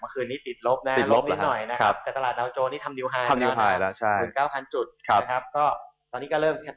เมื่อคืนนี้ติดลบน่ะติดลบนี่หน่อยนะครับ